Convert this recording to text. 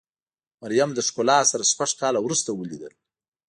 مریم له ښکلا سره شپږ کاله وروسته ولیدل.